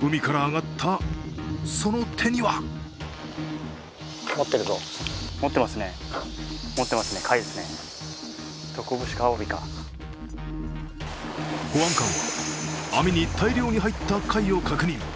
海からあがった、その手には保安官は網に大量に入った貝を確認。